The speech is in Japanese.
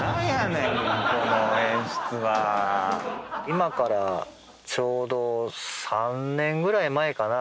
今からちょうど３年ぐらい前かな？